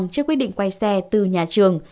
chưa quyết định quay xe từ nhà trường